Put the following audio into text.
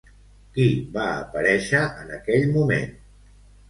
Qui va aparèixer en aquell moment?